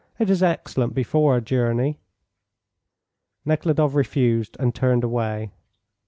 It is excellent before a journey." Nekhludoff refused, and turned away.